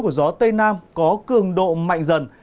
của gió tây nam có cường độ mạnh dần